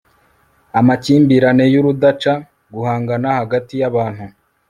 amakimbirane y'urudaca guhangana hagati y'abantu